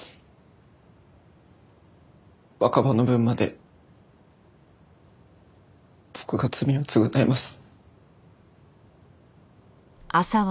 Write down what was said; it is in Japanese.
若葉の分まで僕が罪を償います。